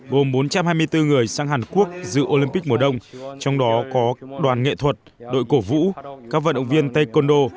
gồm bốn trăm hai mươi bốn người sang hàn quốc dự olympic mùa đông trong đó có đoàn nghệ thuật đội cổ vũ các vận động viên taekondo